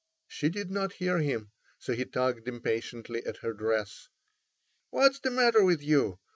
She did not hear him, so he tugged impatiently at her dress. "What's the matter with you?